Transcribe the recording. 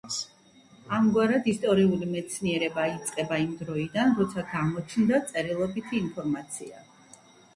ამგვარად, ისტორიული მეცნიერება იწყება იმ დროიდან, როცა გამოჩნდა წერილობითი ინფორმაცია.